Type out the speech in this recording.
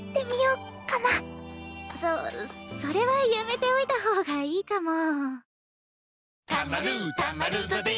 そそれはやめておいた方がいいかも。